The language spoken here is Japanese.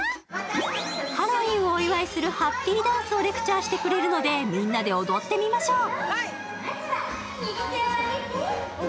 ハロウィーンをお祝いするハッピーダンスをレクチャーしてくれるので、みんなで踊ってみましょう。